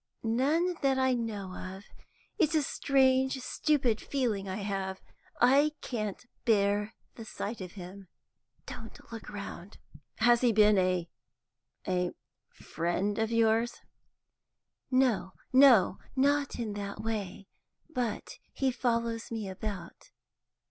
"None that I know of. It's a strange stupid feeling I have. I can't bear the sight of him. Don't look round!" "Has he been a a friend of yours?" "No, no; not in that way. But he follows me about.